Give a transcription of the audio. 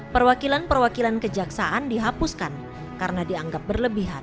perwakilan perwakilan kejaksaan dihapuskan karena dianggap berlebihan